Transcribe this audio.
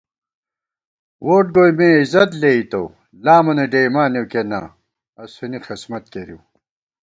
ووٹ گوئی مےعِزت لېئیتوؤ لامہ ڈېئیمانېؤ کینا، اسُونی خسمت کېرِؤ